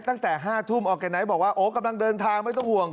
ตั้งแต่๕ทุ่มออร์แกไนท์บอกว่าโอ้กำลังเดินทางไม่ต้องห่วง